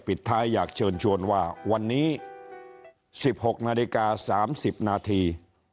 ปิดท้ายอยากเชิญชวนว่าวันนี้๑๖นาฬิกา๓๐นาที